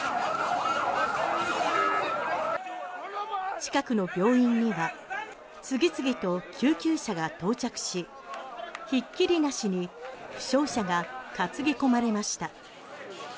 近くの病院には次々と救急車が到着しひっきりなしに負傷者が担ぎ込まれました。